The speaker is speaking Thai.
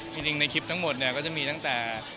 จริงในคลิปทั้งหมดเนี่ยก็จะมีตั้งแต่